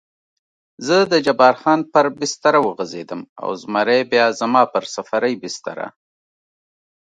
زه د جبار خان پر بستره وغځېدم او زمری بیا زما پر سفرۍ بستره.